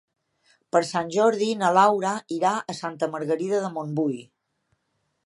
Per Sant Jordi na Laura irà a Santa Margarida de Montbui.